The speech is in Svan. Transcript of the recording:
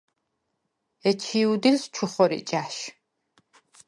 ეჩი̄ უდილს ჩუ ხორი ჭა̈შ.